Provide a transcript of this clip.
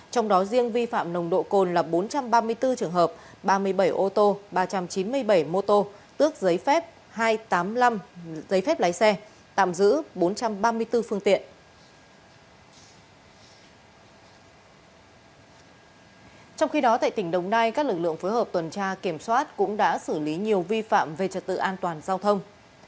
trong khi đó tại tỉnh đồng nai các lực lượng phối hợp tuần tra kiểm soát cũng đã xử lý nhiều vi phạm về trật tự an toàn giao thông